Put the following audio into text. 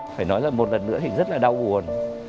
phải nói là một lần nữa thì rất là đau buồn